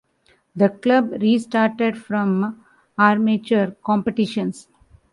The club restarted from amateur competitions.